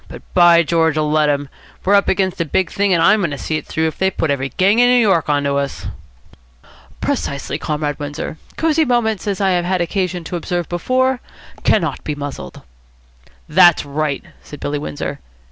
But, by George, let 'em! We're up against a big thing, and I'm going to see it through if they put every gang in New York on to us." "Precisely, Comrade Windsor. Cosy Moments, as I have had occasion to observe before, cannot be muzzled." "That's right," said Billy Windsor.